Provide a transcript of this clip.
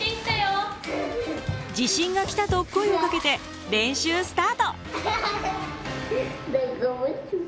「地震が来た」と声をかけて練習スタート！